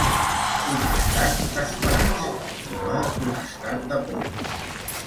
Un estat d’esperança, i no un estat de por.